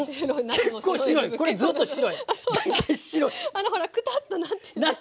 あのほらくたっとなってますから。